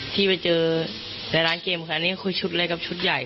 ที่ไปเจอในร้านเกมค่ะอันนี้คือชุดเล็กกับชุดใหญ่